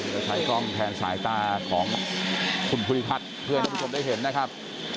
อย่าใช้กล้องแทนสายตาของคุณภุริคัทธ์เพื่อนที่ชมได้เห็นนะครับ